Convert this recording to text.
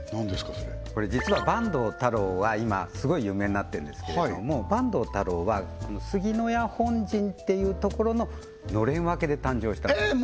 それこれ実はばんどう太郎は今すごい有名になってんですけれどもばんどう太郎はすぎのや本陣っていうところののれん分けで誕生したんですえっ？